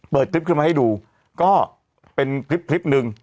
คลิปขึ้นมาให้ดูก็เป็นคลิปหนึ่ง